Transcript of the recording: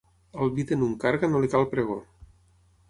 Al vi de Nuncarga no li cal pregó.